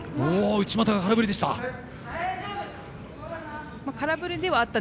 内股が空振りでした。